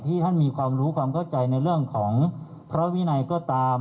ท่านมีความรู้ความเข้าใจในเรื่องของพระวินัยก็ตาม